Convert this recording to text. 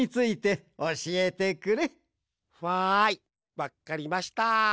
わっかりました。